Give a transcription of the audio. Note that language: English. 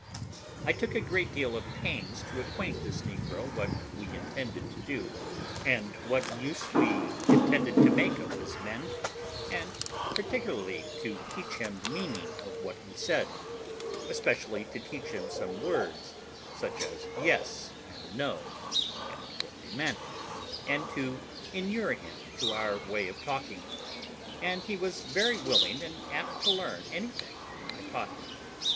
I took a great deal of pains to acquaint this negro what we intended to do, and what use we intended to make of his men; and particularly to teach him the meaning of what we said, especially to teach him some words, such as yes and no, and what they meant, and to inure him to our way of talking; and he was very willing and apt to learn anything I taught him.